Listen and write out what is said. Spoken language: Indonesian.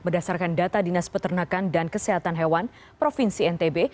berdasarkan data dinas peternakan dan kesehatan hewan provinsi ntb